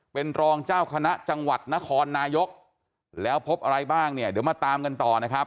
เป็นรองเจ้าคณะจังหวัดนครนายกแล้วพบอะไรบ้างเนี่ยเดี๋ยวมาตามกันต่อนะครับ